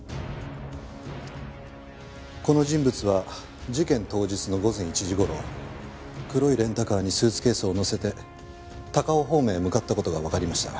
この人物は事件当日の午前１時頃黒いレンタカーにスーツケースを載せて高尾方面へ向かった事がわかりました。